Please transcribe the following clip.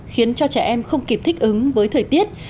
khiến cho trẻ em không kịp thích ứng với thời tiết